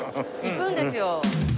行くんですよ。